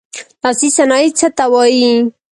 لاسي صنایع څه ته وايي.